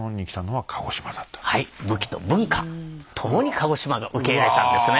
はい武器と文化共に鹿児島が受け入れたんですね。